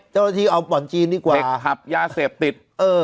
เจ้าหน้าที่เอาบ่อนจีนดีกว่าเด็กขับยาเสพติด